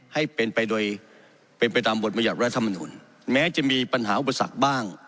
ให้เป็นไปตามบทมยาตรรธรรมนุนแม้จะมีปัญหาอุปสรรคบ้าง